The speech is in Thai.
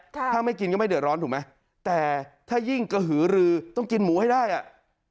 ถ้าไม่กินก็ไม่เดือดร้อนถูกไหมแต่ถ้ายิ่งกระหือรือต้องกินหมูให้ได้อ่ะ